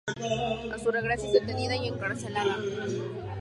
A su regreso es detenida y encarcelada.